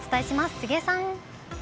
杉江さん。